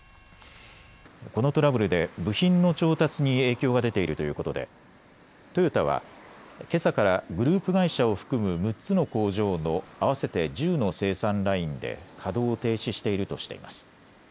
このトラブルで部品の調達に影響が出ているということでトヨタはけさからグループ会社を含む６つの工場の合わせて１０の生産ラインで稼働を停止しているとしています。